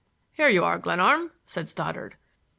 "Here you are, Glenarm," said Stoddard.